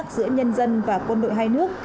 giữa nhân dân và quân đội hai nước